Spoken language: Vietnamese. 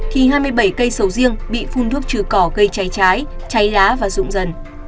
khi hai mươi bảy cây sầu riêng bị phun thuốc trừ cỏ gây trái trái trái lá và rụng dần